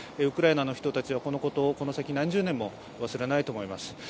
ウクライナの人たちは、このことをこの先何十年も忘れないと思います。